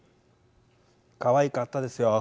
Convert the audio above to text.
かわいかったですよ。